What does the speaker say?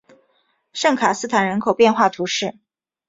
圣卡斯坦人口变化图示